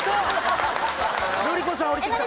ルリ子さん降りてきた。